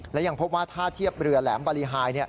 และยังพบว่าท่าเทียบเรือแหลมบริหาย